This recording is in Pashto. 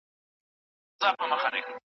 حتی په کورونو کي یې ماشومانو ته وښایاست.